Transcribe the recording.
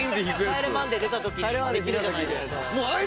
『帰れマンデー』出た時にできるじゃないですか。